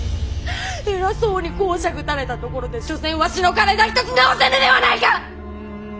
偉そうに講釈たれたところで所詮わしの体一つ治せぬではないか！